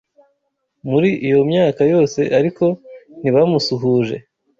Muri iyo myaka yose ariko ntibamusuhuje